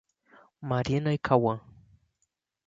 Marina e Cauã